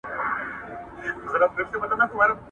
دا ستونزه به کله په بشپړ ډول حل شي؟